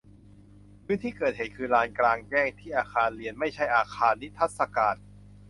พื้นที่เกิดเหตุคือลานกลางแจ้งที่อาคารเรียนไม่ใช่อาคารนิทรรศการ